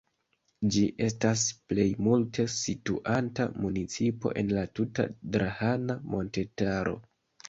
Ĝi estas plej multe situanta municipo en la tuta Drahana montetaro.